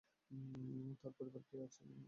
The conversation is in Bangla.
তার পরিবারে কে কে আছে?